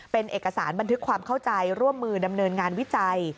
เป็นเอกสารบันทึกความเข้าใจร่วมมือดำเนินงานวิจัย